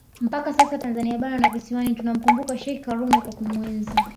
mpaka sasa Tanzania bara na visiwani tunamkumbuka Sheikh Karume kwa kumuenzi